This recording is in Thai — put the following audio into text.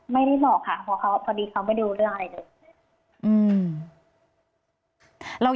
ไม่ได้บอกค่ะเพราะเขาพอดีเขาไม่รู้เรื่องอะไรเลย